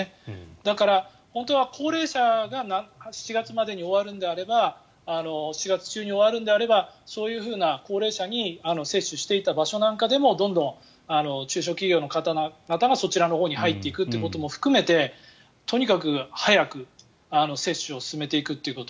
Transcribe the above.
だから、本当は高齢者が７月中に終わるのであればそういう高齢者に接種をしていた場所なんかでもどんどん中小企業の方々がそちらのほうに入っていくということも含めてとにかく早く接種を進めていくということ。